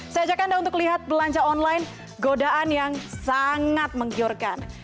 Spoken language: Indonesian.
saya ajak anda untuk lihat belanja online godaan yang sangat menggiurkan